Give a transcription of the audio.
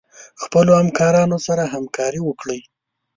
خپلو همکارانو سره همکاري وکړئ.